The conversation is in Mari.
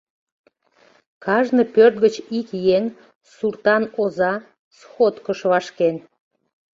Кажне пӧрт гыч ик еҥ, суртан оза, сходкыш вашкен.